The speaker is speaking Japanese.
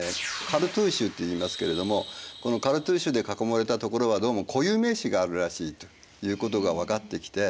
カルトゥーシュっていいますけれどもこのカルトゥーシュで囲まれたところはどうも固有名詞があるらしいということが分かってきて